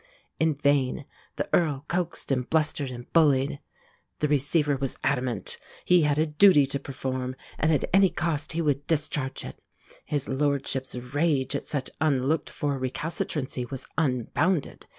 In vain the Earl coaxed and blustered and bullied. The receiver was adamant. He had a duty to perform, and at any cost he would discharge it. His lordship's rage at such unlooked for recalcitrancy was unbounded.